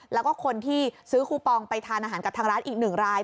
แล้วก็คนที่ซื้อคูปองไปทานอาหารกับทางร้านอีกหนึ่งราย